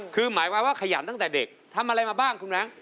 คือหมายความว่าขยันตั้งแต่เด็กทำอะไรมาบ้างคุณแบงค์